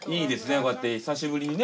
こうやって久しぶりにね。